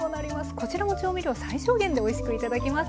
こちらも調味料最小限でおいしく頂けます。